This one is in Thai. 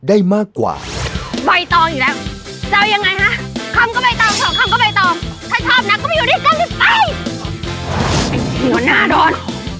ไอ้หัวหน้าโดน